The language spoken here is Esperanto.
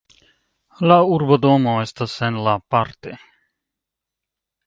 La urbodomo estas en La Parte.